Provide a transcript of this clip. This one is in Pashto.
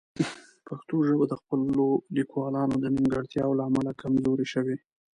پښتو ژبه د خپلو لیکوالانو د نیمګړتیاوو له امله کمزورې شوې.